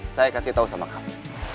saya kasih tau sama kamu